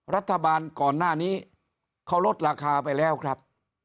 ก่อนหน้านี้เขาลดราคาไปแล้วครับ